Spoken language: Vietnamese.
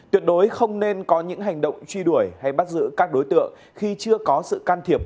tuyệt đối không nên có những hành động truy đuổi hay bắt giữ các đối tượng khi chưa có sự can thiệp